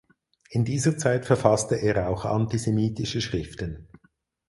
In dieser Zeit verfasste er auch antisemitische Schriften.